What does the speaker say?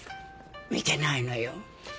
見てないのよ。